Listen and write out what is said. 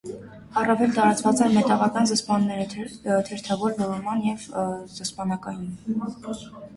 Առավել տարածված են մետաղական զսպանները (թերթավոր, ոլորման և զսպանակային)։